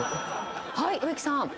はい植木さん。